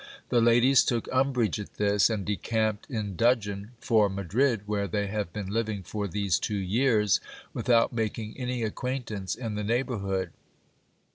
The ladies took umbrage at this, and decamped in dudgeon for Madrid, where they have been living for these two years, without making any acquaintance in the neighbourhood.